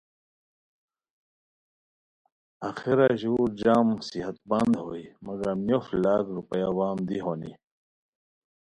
آخرا ژور جم صحت مند ہوئے، مگم نیوف لاکھ روپیہ وام دی ہونی